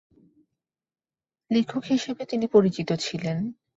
লেখক হিসেবে তিনি পরিচিত ছিলেন।